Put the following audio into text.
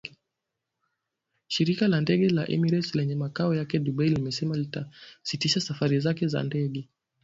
Shirika la ndege la Emirates lenye makao yake Dubai limesema litasitisha safari zake za ndege